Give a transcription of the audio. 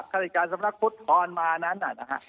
คฤการสำนักพุทธพรมานั้น